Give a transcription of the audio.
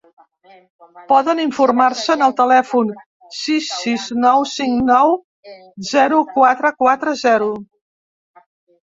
Poden informar-se en el telèfon sis sis nou cinc nou zero quatre quatre zero.